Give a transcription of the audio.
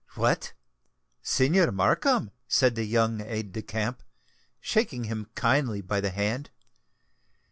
"What! Signor Markham!" said the young aide de camp, shaking him kindly by the hand.